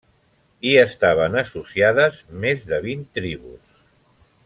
Hi estaven associades més de vint tribus.